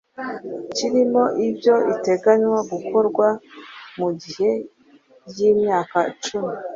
kirimo ibyo iteganywa gukorwa mu gihe ry'imyaka cumi.